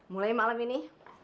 mulai malam ini